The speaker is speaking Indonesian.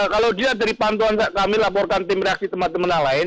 kalau lihat dari pantuan kami laporan tim reaksi tempat ini